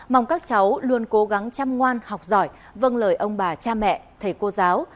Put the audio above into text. mong các cháu luôn cố gắng chăm ngoan học giỏi vân lời ông bà cha mẹ thầy cô giáo